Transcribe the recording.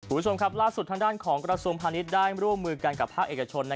สวัสดีคุณผู้ชมครับล่าสุดทางด้านของกรสมภัณฑ์นี้ได้ร่วมมือกันกับภาคเอกชน